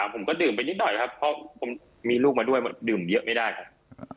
ผมก็ดื่มไปนิดหน่อยครับเพราะผมมีลูกมาด้วยดื่มเยอะไม่ได้ครับ